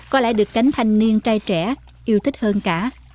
có lẽ được cánh thanh niên trai trẻ yêu thích hơn cả